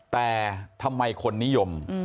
แต่ทำไมคนนิยม